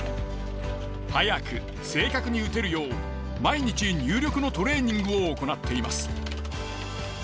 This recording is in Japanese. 速く正確に打てるよう毎日入力のトレーニングを行っています。